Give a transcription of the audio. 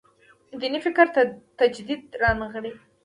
دیني فکر تجدید رانغاړي.